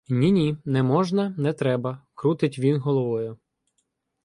— Ні-ні! Не можна, не треба, — крутить він головою.